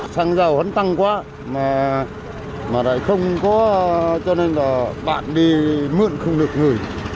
xăng dầu hắn tăng quá mà lại không có cho nên là bạn đi mượn không được người